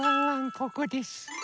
ここです。